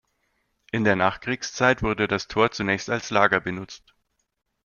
In der Nachkriegszeit wurde das Tor zunächst als Lager genutzt.